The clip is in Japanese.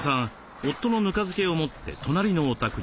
夫のぬか漬けを持って隣のお宅に。